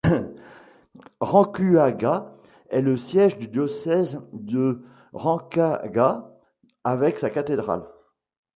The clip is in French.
Rancuagua est le siège du diocèse de Rancagua avec sa cathédrale.